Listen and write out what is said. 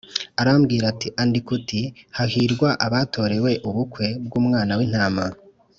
Arambwira ati “Andika uti ‘Hahirwa abatorewe ubukwe bw’Umwana w’Intama